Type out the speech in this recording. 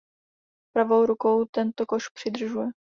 Pravou rukou tento koš přidržuje.